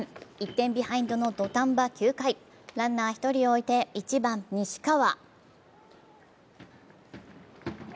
１点ビハインドの土壇場９回、ランナー１人を置いて１番・西川。